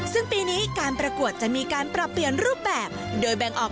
ซึ่งปีนี้การประกวดจะมีการปรับเปลี่ยนรูปแบบโดยแบ่งออก